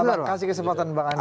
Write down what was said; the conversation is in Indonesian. bapak kasih kesempatan bang andri